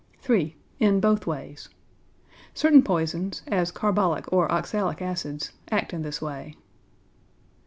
3. In Both Ways. Certain poisons, as carbolic or oxalic acids, act in this way.